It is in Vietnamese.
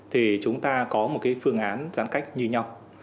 thì chúng ta có một cái phương án giãn cách như nhau